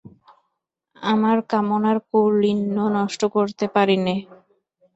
আমার কামনার কৌলীন্য নষ্ট করতে পারি নে।